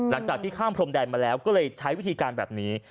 หลังจากที่ข้ามพรมแดนมาแล้วก็เลยใช้วิธีการแบบนี้